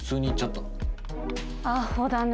アホだね。